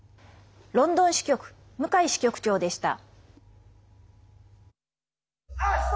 ロンドン支局向井支局長でした。